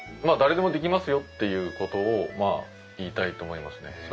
まあ誰でもできますよということを言いたいと思いますね。